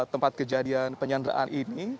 tempat kejadian penyanderaan ini